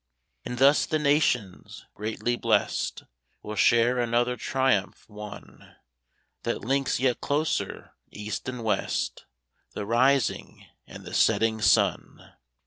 And thus the Nations, greatly blest, Will share another triumph, won, That links yet closer East and West The rising and the setting sun!